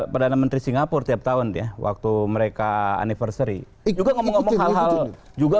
perdana menteri singapura setiap tahun dia waktu mereka anniversary juga ngomong hal hal juga